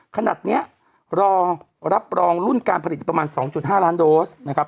ขนาดนี้รองรับรองรุ่นการผลิตอยู่ประมาณ๒๕ล้านโดสนะครับ